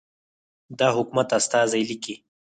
د حکومت استازی لیکي.